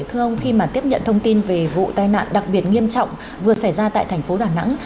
thưa ông khi mà tiếp nhận thông tin về vụ tai nạn đặc biệt nghiêm trọng vừa xảy ra tại thành phố đà nẵng